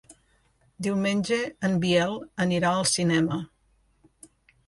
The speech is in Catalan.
Diumenge en Biel anirà al cinema.